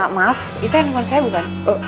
maaf itu handphone saya bukan